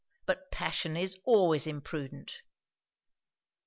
But passion is always imprudent.